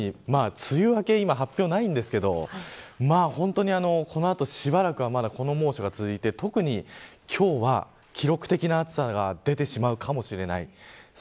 梅雨明け、今発表ないんですけどこの後しばらくはこの猛暑が続いて特に今日は記録的な暑さが出てしまうかもしれない。